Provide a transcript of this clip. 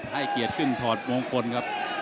ให้เกียรติขึ้นถอดมงคลครับ